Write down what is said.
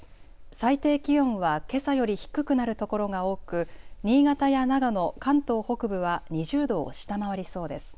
最低気温はけさより低くなる所が多く、新潟や長野、関東北部は２０度を下回りそうです。